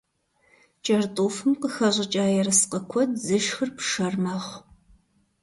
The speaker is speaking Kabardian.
КӀэртӀофым къыхэщӀыкӀа ерыскъы куэд зышхыр пшэр мэхъу.